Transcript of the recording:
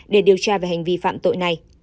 để điều tra về hành vi phạm tội này